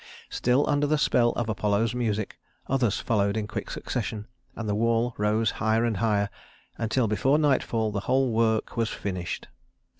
Still under the spell of Apollo's music, others followed in quick succession, and the wall rose higher and higher, until before nightfall the whole work was finished.